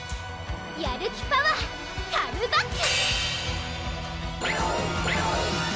やるきパワーカムバック！